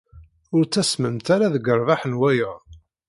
Ur ttasmemt ara deg rrbeḥ n wayeḍ.